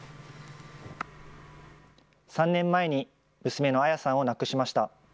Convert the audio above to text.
３年前に娘の彩さんを亡くしました。